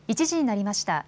１時になりました。